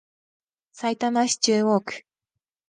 さいたま市中央区